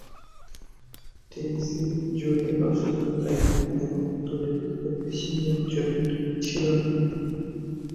তিনি সিরিজ জুড়ে অসুস্থতায় ভোগেন এবং দলের উপর বেশি নিয়ন্ত্রণ ছিল না।